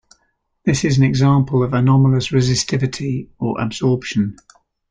This is an example of anomalous resistivity or absorption.